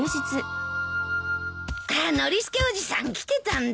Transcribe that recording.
あっノリスケおじさん来てたんだ。